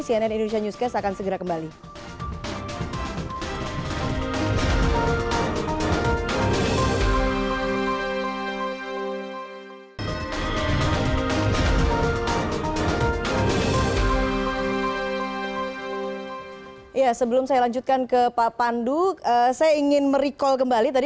cnn indonesia newscast akan segera kembali